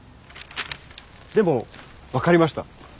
でも分かりました。